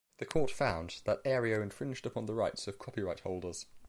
The Court found that Aereo infringed upon the rights of copyright holders.